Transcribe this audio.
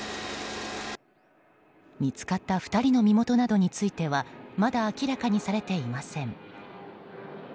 見つかった２人の身元などについてはまだ明らかにされていません。